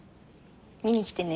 見に来てね。